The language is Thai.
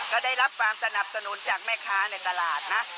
ก็ได้รับความสนับสนุนจากแม่ค้าในตลาดนะ